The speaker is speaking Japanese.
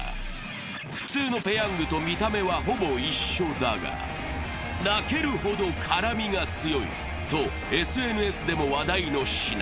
普通のペヤングと見た目はほぼ一緒だが泣けるほど辛みが強いとＳＮＳでも話題の品。